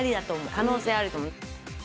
可能性あると思う。